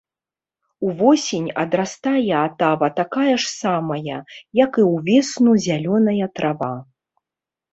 Увосень адрастае атава такая ж самая, як і ўвесну зялёная трава.